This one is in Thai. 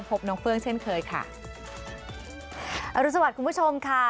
พบน้องเฟื้องเช่นเคยค่ะอรุณสวัสดิ์คุณผู้ชมค่ะ